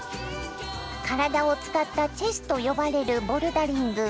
体を使ったチェスと呼ばれるボルダリング。